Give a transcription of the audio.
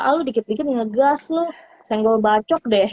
ah lu dikit dikit ngegas lu senggol bacok deh